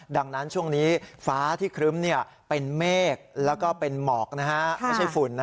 ดังนั้นช่วงนี้ฟ้าที่ครึ้มเป็นเมฆแล้วก็เป็นหมอกไม่ใช่ฝุ่น